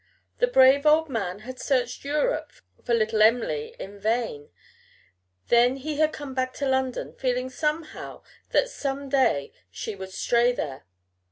The brave old man had searched Europe for little Em'ly in vain; then he had come back to London, feeling somehow that some day she would stray there.